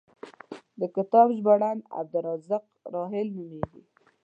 د کتاب ژباړن عبدالرزاق راحل نومېږي.